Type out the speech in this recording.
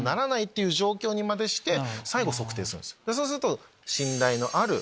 そうすると。